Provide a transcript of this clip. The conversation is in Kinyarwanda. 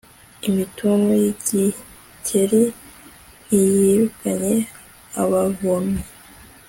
imitunu y'igikeri ntiyirukanye abavomyi